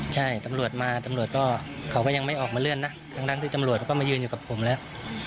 ใช่ตำรวจมาตำรวจก็เขาก็ยังไม่ออกมาเลื่อนนะทั้งที่ตำรวจเขาก็มายืนอยู่กับผมแล้ว